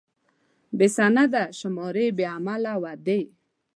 بې سنده شمارې، بې عمله وعدې.